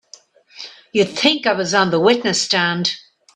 You'd think I was on the witness stand!